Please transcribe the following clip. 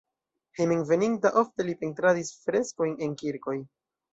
Hejmenveninta ofte li pentradis freskojn en kirkoj.